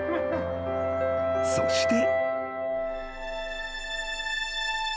［そして］